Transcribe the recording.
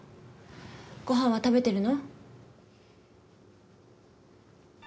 ごはんは食べてるの？